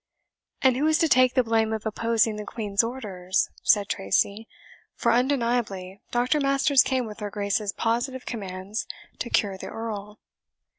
"And who is to take the blame of opposing the Queen's orders?" said Tracy; "for, undeniably, Doctor Masters came with her Grace's positive commands to cure the Earl."